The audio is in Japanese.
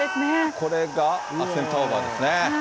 これがセンターオーバーですね。